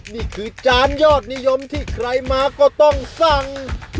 นี่คือจานยอดนิยมที่ใครมาก็ต้องสั่ง